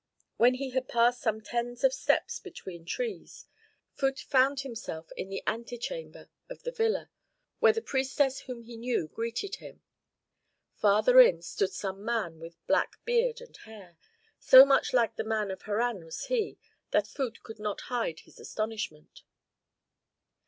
When he had passed some tens of steps between trees, Phut found himself in the antechamber of the villa, where the priestess whom he knew greeted him. Farther in stood some man with black beard and hair; so much like the man of Harran was he, that Phut could not hide his astonishment.